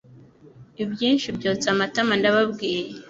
Ibyinshi byotsa amatama ndababwiye